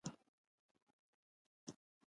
غریب چې دوې پیسې پیدا کړي، بیا اسمان ته پښې و نیسي.